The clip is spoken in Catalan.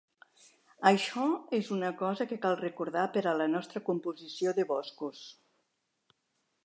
Això és una cosa que cal recordar per a la nostra composició de boscos.